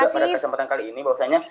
dan juga pada kesempatan kali ini bahwasannya